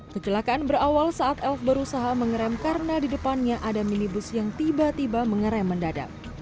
kecelakaan berawal saat elf berusaha mengerem karena di depannya ada minibus yang tiba tiba mengerai mendadak